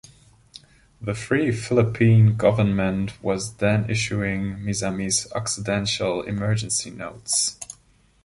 The Free Philippine Government was then issuing Misamis Occidental emergency notes.